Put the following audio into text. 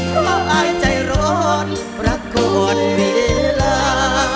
เพราะอายใจร้อนรักก่อนเวลา